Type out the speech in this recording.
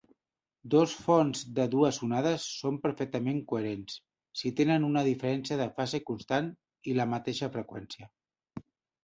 Dos fonts de dues onades són perfectament coherents si tenen una diferència de fase constant i la mateixa freqüència.